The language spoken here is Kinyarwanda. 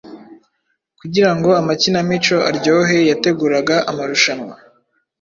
kugira ngo amakinamico aryohe yateguraga amarushanwa